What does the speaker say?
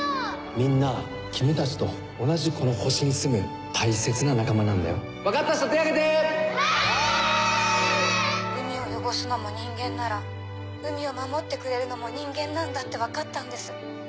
みんな君たちと同じこの星にすむ大切な仲間なんだよ分かった人手挙げて海を汚すのも人間なら海を守ってくれるのも人間なんだって分かったんです。